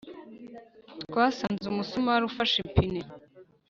twasanze umusumari ufashe ipine